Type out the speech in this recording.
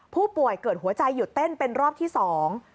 ผู้ป่วยเกิดหัวใจหยุดเต้นเป็นรอบที่สอง